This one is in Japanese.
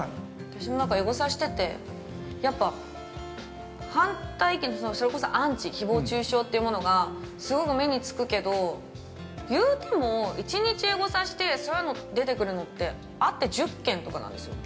◆私もエゴサしてて、反対意見、それこそアンチの誹謗中傷というものがすごく目につくけど、言うても１日エゴサして出てくるのってあって１０件とかなんですよ。